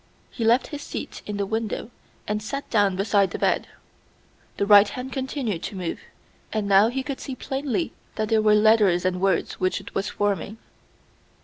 He left his seat in the window and sat down beside the bed. The right hand continued to move, and now he could see plainly that they were letters and words which it was forming.